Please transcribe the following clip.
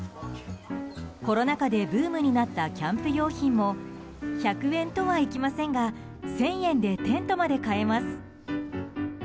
コロナ禍でブームになったキャンプ用品も１００円とはいきませんが１０００円でテントまで買えます。